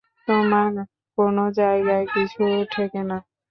তোমার কোনো জায়গায় কিছু ঠেকে না?